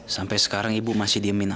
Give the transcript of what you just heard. sampai sekarang ibu masih diemin